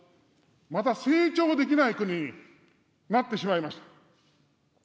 また成長できない国になってしまいました。